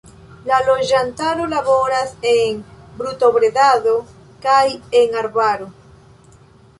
La loĝantaro laboras en brutobredado kaj en arbaro.